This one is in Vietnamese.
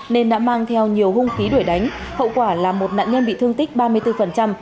nên đã mang theo nhiều hung khí đuổi đánh hậu quả là một nạn nhân bị thương tích ba mươi bốn